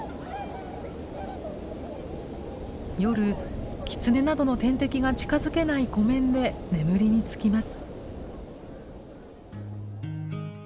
夜キツネなどの天敵が近づけない湖面で眠りにつきます。